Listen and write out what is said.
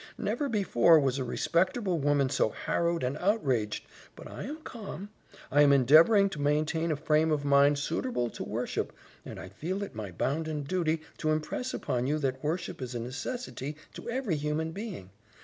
"Never before was a respecterble woman so harrowed and outraged; but I am calm; I am endeavoring to maintain a frame of mind suiterble to worship, and I feel it my bounden duty to impress upon you that worship is a necessity to every human being.